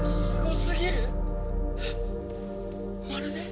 すごすぎる！